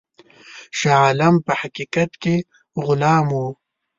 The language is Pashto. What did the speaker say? شاه عالم په حقیقت کې غلام وو.